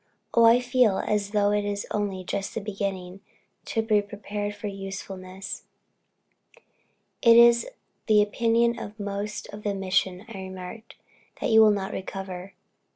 Oh, I feel as though only just beginning to be prepared for usefulness." "It is the opinion of most of the mission," I remarked, "that you will not recover."